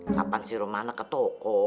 kapan sih rumah ana ketoko